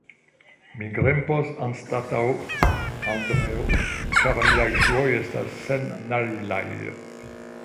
mi grimpos anstataŭ Andreo, ĉar miaj ŝuoj estas sennajlaj.